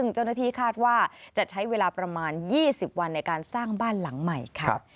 เจ้าหน้าที่คาดว่าจะใช้เวลาประมาณ๒๐วันในการสร้างบ้านหลังใหม่ค่ะ